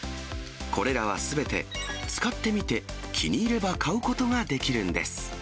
これらはすべて、使ってみて、気に入れば買うことができるんです。